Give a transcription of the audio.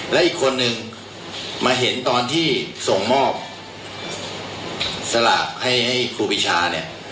และอีกคนนึงมาเห็นตอนที่ส่งมอบสลากให้ครูปีชาเนี่ย